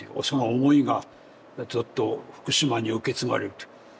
その思いがずっと福島に受け継がれるという。